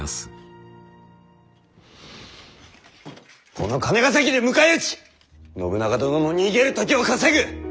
この金ヶ崎で迎え撃ち信長殿の逃げる時を稼ぐ！